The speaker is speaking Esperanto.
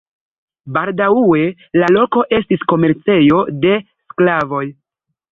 Baldaŭe la loko estis komercejo de sklavoj.